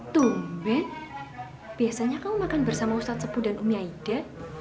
tumben biasanya kamu makan bersama ustadz sepuh dan umi aida